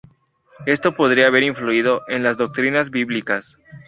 Esto podría haber influido en las doctrinas bíblicas.